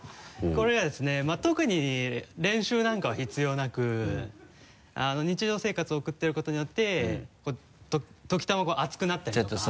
これがですね特に練習なんかは必要なく日常生活を送ってることによって時たまこう熱くなったりとか。